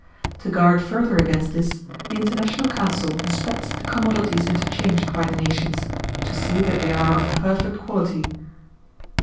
To guard further against this, the international council inspects the commodities interchanged by the nations, to see that they are of perfect quality."